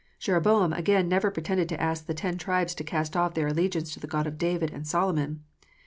Jeroboam, again, never pretended to ask the ten tribes to cast off their allegiance to the God of David and Solomon.